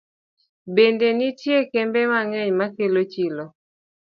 Bende nitie kembe mang'eny ma kelo chilo.